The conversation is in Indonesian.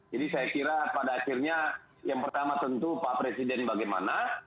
jadi saya kira pada akhirnya yang pertama tentu pak presiden bagaimana